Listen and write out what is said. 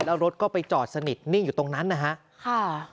แล้วรถก็ไปจอดสนิทนิ่งอยู่ตรงนั้นนะฮะค่ะ